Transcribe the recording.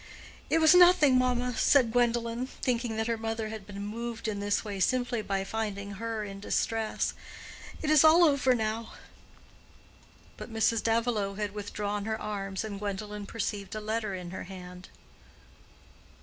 "It was nothing, mamma," said Gwendolen, thinking that her mother had been moved in this way simply by finding her in distress. "It is all over now." But Mrs. Davilow had withdrawn her arms, and Gwendolen perceived a letter in her hand.